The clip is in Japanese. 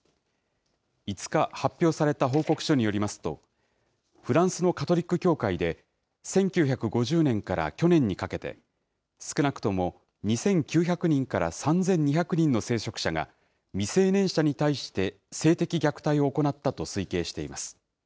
５日発表された報告書によりますと、フランスのカトリック教会で、１９５０年から去年にかけて、少なくとも２９００人から３２００人の聖職者が未成年者に対して性的虐待を行ったと推計しています。